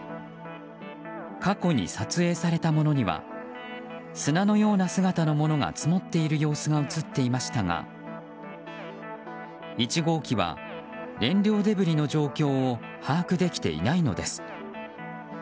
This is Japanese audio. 過去に撮影されたものには砂のような姿のものが積もっている様子が映っていましたが１号機は燃料デブリの状況を把握できていないのです。